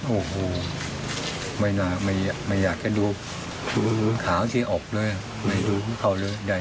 โอ้โหไม่น่าไม่อยากแค่ดูขาวที่ออกเลยไม่ดูเขาเลยใด